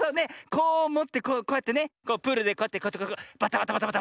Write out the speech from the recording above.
こうもってこうやってねプールでこうやってバタバタバタ。